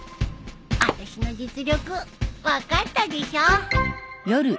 あたしの実力分かったでしょ！